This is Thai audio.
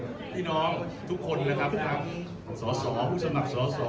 ขอโทษพี่น้องทุกคนทั้งส่อสอผู้สมัครส่อสอ